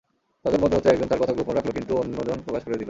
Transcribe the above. তাদের মধ্য হতে একজন তার কথা গোপন রাখল কিন্তু অন্যজন প্রকাশ করে দিল।